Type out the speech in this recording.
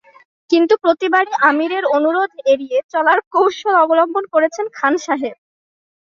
কিন্তু প্রতিবারই আমিরের অনুরোধ এড়িয়ে চলার কৌশল অবলম্বন করেছেন খান সাহেব।